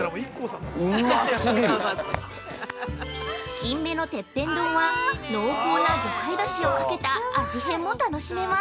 ◆金目のてっぺん丼は濃厚な魚介だしをかけた味変も楽しめます。